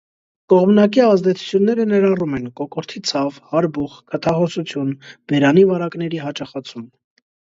Կողմնակի ազդեցությունները ներառում են՝ կոկորդի ցավ, հարբուխ, քթահոսություն, բերանի վարակների հաճախացում։